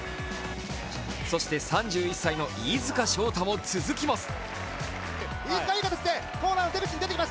そして３１歳の飯塚翔太も続きます。